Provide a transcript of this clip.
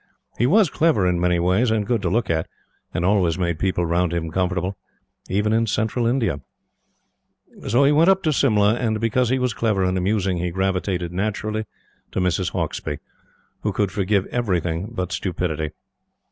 He was clever in many ways, and good to look at, and always made people round him comfortable even in Central India. So he went up to Simla, and, because he was clever and amusing, he gravitated naturally to Mrs. Hauksbee, who could forgive everything but stupidity.